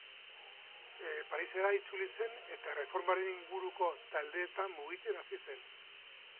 Parisera itzuli zen eta Erreformaren inguruko taldeetan mugitzen hasi zen.